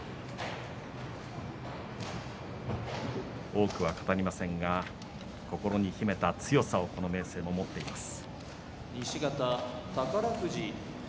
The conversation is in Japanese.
多くは語りませんが心に秘めた強さをこの明生も持っています。